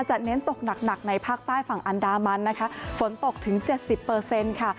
จะเน้นตกหนักในภาคใต้ฝั่งอันดามันนะคะฝนตกถึง๗๐ค่ะ